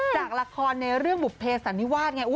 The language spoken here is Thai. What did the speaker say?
จากละครในเรื่องบุภเพสันนิวาสไง